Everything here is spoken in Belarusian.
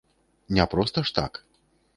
Не проста ж так.